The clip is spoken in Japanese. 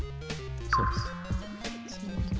そうです。